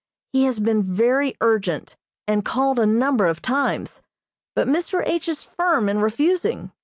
He has been very urgent, and called a number of times, but Mr. H. is firm in refusing.